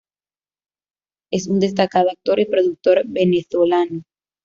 Es un destacado actor y productor venezolano.